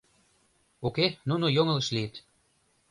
Уке, нуно йоҥылыш лийыт!